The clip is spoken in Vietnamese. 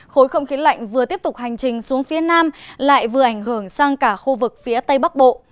khối không khí lạnh vừa tiếp tục hành trình xuống phía nam lại vừa ảnh hưởng sang cả khu vực phía tây bắc bộ